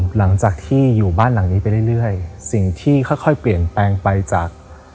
หลังจากที่อยู่บ้านหลังนี้ไปเรื่อยสิ่งที่ค่อยเปลี่ยนแปลงไปจาก